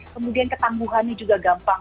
kemudian ketangguhan ini juga gampang